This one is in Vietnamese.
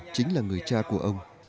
chính là người cha của ông